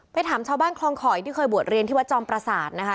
ถามชาวบ้านคลองข่อยที่เคยบวชเรียนที่วัดจอมประสาทนะคะ